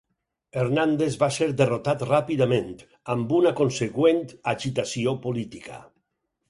Hernández va ser derrotat ràpidament, amb una conseqüent agitació política.